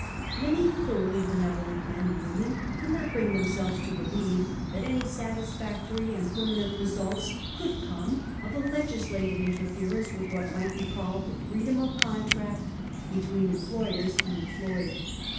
Many thoroughly benevolent men and women could not bring themselves to believe that any satisfactory and permanent results could come of a legislative interference with what might be called the freedom of contract between employers and em ployed.